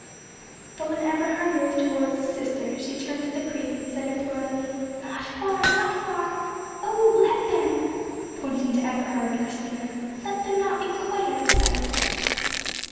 But when Eberhard moved towards his sister, she turned to the priest, and said, imploringly, "Not far, not far! Oh! let them," pointing to Eberhard and Christina, "let them not be quite out of sight!"